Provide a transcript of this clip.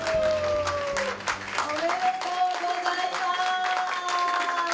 おめでとうございます。